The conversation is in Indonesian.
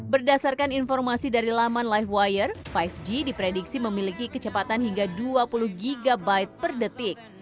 berdasarkan informasi dari laman live wire lima g diprediksi memiliki kecepatan hingga dua puluh gigabyte per detik